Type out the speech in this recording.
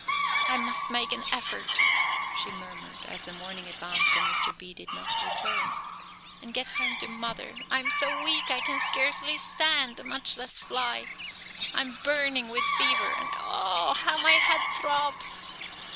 "I must make an effort," she murmured as the morning advanced and Mr. B. did not return, "and get home to mother. I am so weak I can scarcely stand, much less fly. I am burning with fever, and oh, how my head throbs!